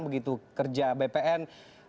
begitu kerja bpn